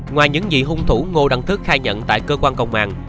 ngoài những gì hung thủ ngô đăng thức khai nhận tại cơ quan công an